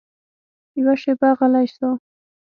يوه شېبه غلى سو.